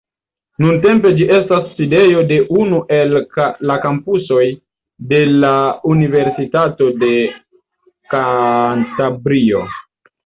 Nuntempe ĝi estas sidejo de unu el la kampusoj de la Universitato de Kantabrio.